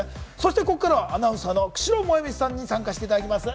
ここからはアナウンサーの久代萌美さんに参加していただきます。